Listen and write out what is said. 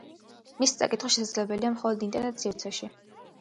მისი წაკითხვა შესაძლებელია მხოლოდ ინტერნეტ-სივრცეში.